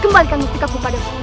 kembalikan mustikaku padamu